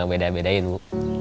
gak beda bedain bu